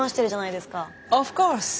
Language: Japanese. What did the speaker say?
オフコース。